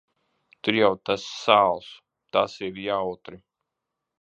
Tur jau tas sāls. Tas ir jautri.